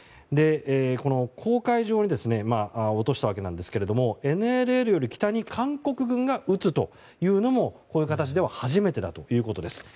この公海上に落としたわけなんですがＮＬＬより北に韓国軍が撃つというのもこういう形では初めてだということです。